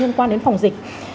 liên quan đến phòng dịch